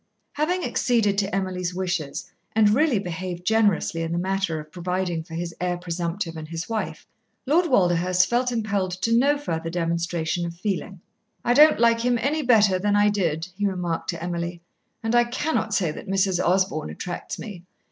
Having acceded to Emily's wishes, and really behaved generously in the matter of providing for his heir presumptive and his wife, Lord Walderhurst felt impelled to no further demonstration of feeling. "I don't like him any better than I did," he remarked to Emily. "And I cannot say that Mrs. Osborn attracts me.